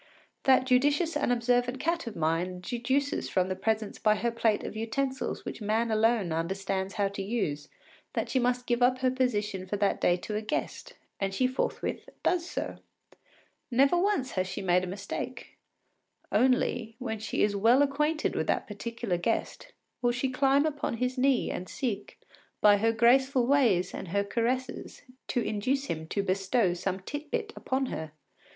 That judicious and observant cat of mine deduces from the presence by her plate of utensils which man alone understands how to use that she must give up her position for that day to a guest, and she forthwith does so. Never once has she made a mistake. Only, when she is well acquainted with the particular guest, she will climb upon his knee and seek, by her graceful ways and her caresses, to induce him to bestow some tit bit upon her.